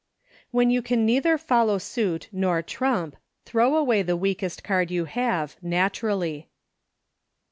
When you can neither follow suit nor trump, throw away the weakest card you have, natu rally.